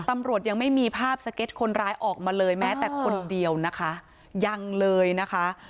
ตำรวจยังไม่มีภาพสเก็ตคนร้ายออกมาเลยแม้แต่คนเดียวนะคะยังเลยนะคะ